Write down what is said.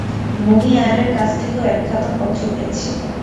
মণি আয়ারের কাছ থেকেও একখানা পত্র পেয়েছি।